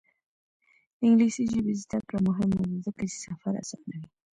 د انګلیسي ژبې زده کړه مهمه ده ځکه چې سفر اسانوي.